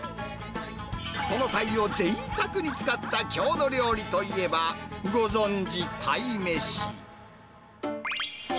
そのタイをぜいたくに使った郷土料理といえば、ご存じ、鯛めし。